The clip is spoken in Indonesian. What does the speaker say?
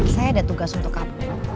saya ada tugas untuk apa